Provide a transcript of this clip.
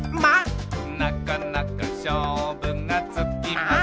「なかなかしょうぶがつきません」